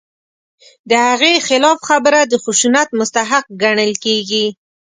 د هغې خلاف خبره د خشونت مستحق ګڼل کېږي.